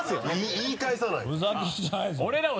言い返さないと。